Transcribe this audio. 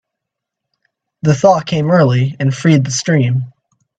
The thaw came early and freed the stream.